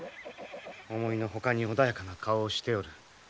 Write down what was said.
思いの外に穏やかな顔をしておる。